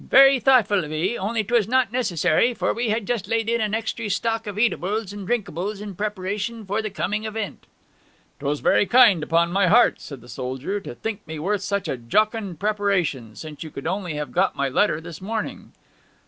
'Very thoughtful of 'ee, only 'twas not necessary, for we had just laid in an extry stock of eatables and drinkables in preparation for the coming event.' ''Twas very kind, upon my heart,' said the soldier, 'to think me worth such a jocund preparation, since you could only have got my letter this morning.'